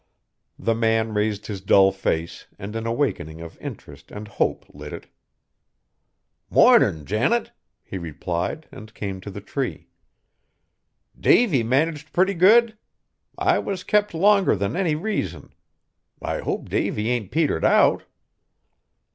The man raised his dull face and an awakening of interest and hope lit it. "Mornin', Janet," he replied and came to the tree. "Davy managed pretty good? I was kept longer than any reason. I hope Davy ain't petered out."